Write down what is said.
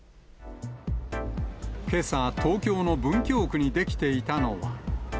けさ、東京の文京区に出来ていたのは。